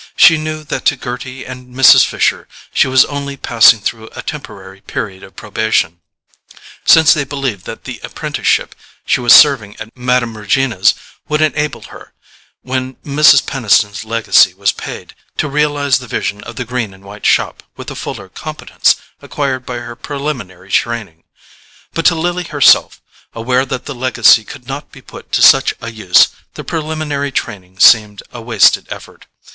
She knew that to Gerty and Mrs. Fisher she was only passing through a temporary period of probation, since they believed that the apprenticeship she was serving at Mme. Regina's would enable her, when Mrs. Peniston's legacy was paid, to realize the vision of the green and white shop with the fuller competence acquired by her preliminary training. But to Lily herself, aware that the legacy could not be put to such a use, the preliminary training seemed a wasted effort.